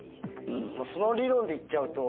その理論でいっちゃうと。